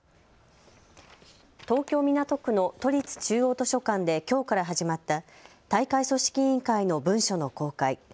東京港区の都立中央図書館できょうから始まった大会組織委員会の文書の公開。